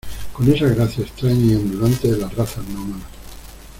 con esa gracia extraña y ondulante de las razas nómadas